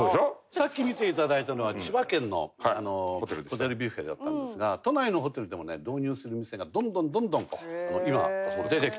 さっき見て頂いたのは千葉県のホテルビュッフェだったんですが都内のホテルでもね導入する店がどんどんどんどんと今出てきてます。